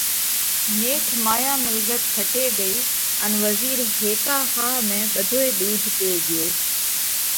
نيٺ مايا مِلڳت کٽي ڳئِي ان وزِير هيڪا ۿاۿ ۾ ٻڌوئي ۮُوڌ پي ڳيو۔